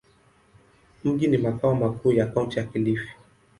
Mji ni makao makuu ya Kaunti ya Kilifi.